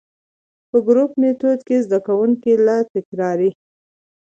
په ګروپي ميتود کي زده کوونکي له تکراري،